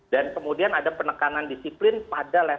dan kemudian ada penekanan disiplin pada level komunitas